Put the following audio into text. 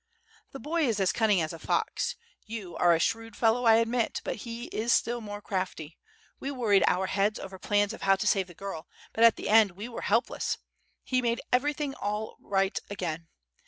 "The boy is as cunning as a fox. You are a shrewd fellow, I admit; but he is still more crafty. We worried our heads over plans of how to save the girl, but at the end we were helpless. He made everything all right again.